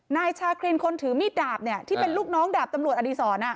นายชาครินคนถือมีดดาบที่เป็นลูกน้องดาบตำรวจอดีศร